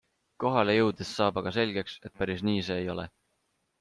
Kohale jõudes saab aga selgeks, et päris nii see ei ole.